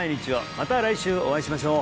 また来週お会いしましょう